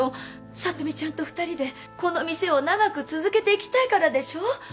聡美ちゃんと２人でこの店を長く続けていきたいからでしょ？